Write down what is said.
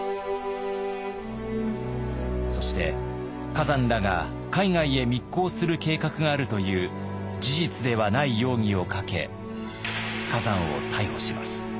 そして崋山らが海外へ密航する計画があるという事実ではない容疑をかけ崋山を逮捕します。